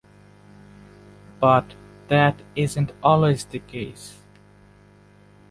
But that isn't always the case.